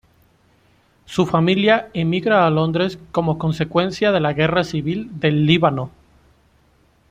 Su familia emigra a Londres como consecuencia de la guerra civil del Líbano.